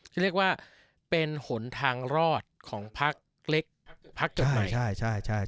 ที่เรียกว่าเป็นหนทางรอดของพักเล็กพักจดใหม่